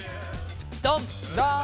ドン！